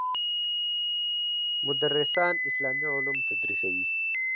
مدرسان اسلامي علوم تدریسوي.